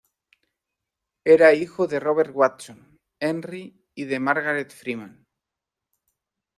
Era hijo de Robert Watson Henry y de Margaret Freeman.